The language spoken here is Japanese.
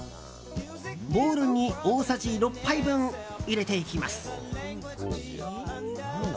ボウルに大さじ６杯分入れていきます。